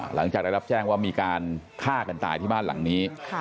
หลังจากได้รับแจ้งว่ามีการฆ่ากันตายที่บ้านหลังนี้